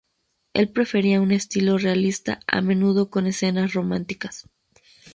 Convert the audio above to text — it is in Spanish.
Él prefería un estilo realista, a menudo con escenas románticas.